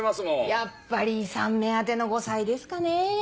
やっぱり遺産目当ての後妻ですかねぇ。